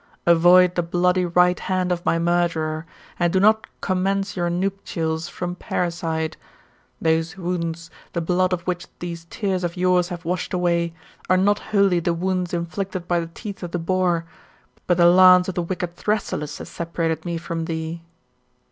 Avoid the bloody right hand of my murderer, and do not commence your nupitals from parricide. Those wounds, the blood of which these tears of yours have washed away, are not wholly the wounds inflicted by the teeth of the boar, but the lance of the wicked Thrasyllus has separated me from thee.